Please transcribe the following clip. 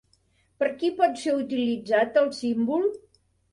Per qui pot ser utilitzat el símbol?